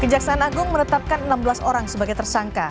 kejaksaan agung menetapkan enam belas orang sebagai tersangka